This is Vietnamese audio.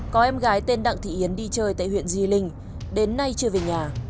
có em gái tên đặng thị yến đi chơi tại huyện di linh đến nay chưa về nhà